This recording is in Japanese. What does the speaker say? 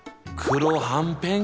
黒はんぺん？